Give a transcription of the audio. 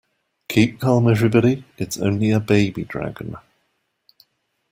Keep calm everybody, it's only a baby dragon.